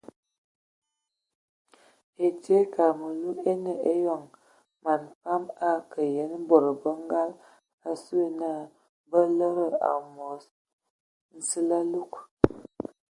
Ɛtie ekag məlu eine eyɔŋ man fam akə yen bod bə ngal asu na bə lede amos nsili alug.